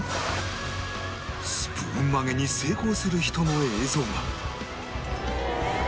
スプーン曲げに成功する人の映像が！